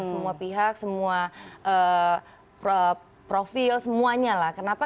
semua pihak semua profil semuanya lah kenapa